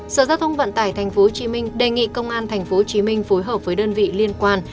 sở giao thông vận tải tp hcm đề nghị công an tp hcm phối hợp với đơn vị liên quan